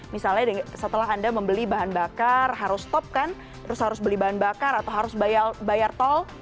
misalnya setelah anda membeli bahan bakar harus stop kan terus harus beli bahan bakar atau harus bayar tol